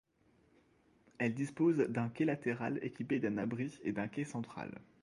Elle dispose d'un quai latéral équipé d'un abri et d'un quai central.